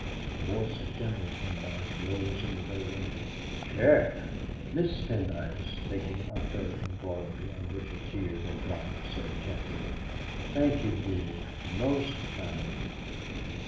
The voice of General Pendyce rose in the bay window: "Check!" Mrs. Pendyce, taking up her embroidery, on which a tear had dropped, said gently: "Thank you, dear; most charming!"